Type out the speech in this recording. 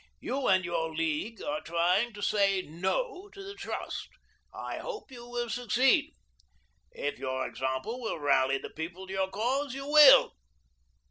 You and your League are trying to say 'No' to the trust. I hope you will succeed. If your example will rally the People to your cause, you will.